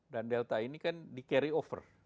dan delta ini kan di carry over